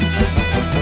ini rumahnya apaan